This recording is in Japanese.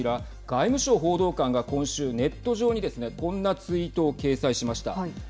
外務省報道官が今週ネット上にですねこんなツイートを掲載しました。